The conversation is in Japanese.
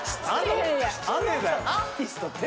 あのアーティスト。